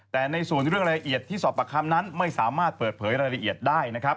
แต่ในส่วนเรื่องรายละเอียดที่สอบประคำนั้นไม่สามารถเปิดเผยรายละเอียดได้นะครับ